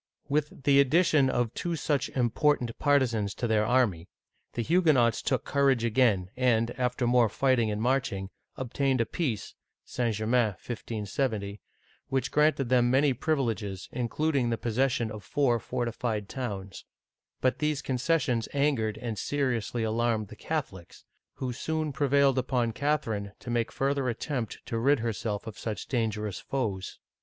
With the addition of two such important partisans to their army, the Huguenots took courage again, and, after more Digitized by Google CHARLES IX. (1560 1574) 259 fighting and marching, obtained a peace (St. Germain, 1.570) which granted them many privileges, including the possession of four fortified towns. But these concessions angered and seriously alarmed the Catholics, who soon prevailed upon Catherine to make further attempt to rid herself of such dangerous foes.